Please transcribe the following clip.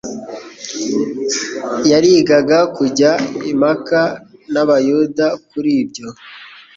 yarigaga kujya impaka n' abayuda kuri ibyo;